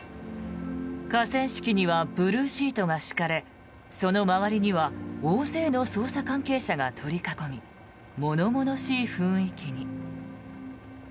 河川敷にはブルーシートが敷かれその周りには大勢の捜査関係者が取り囲み物々しい雰囲気に。